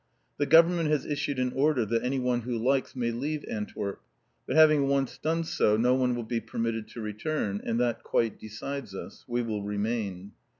The Government has issued an order that anyone who likes may leave Antwerp; but once having done so no one will be permitted to return; and that quite decides us; we will remain.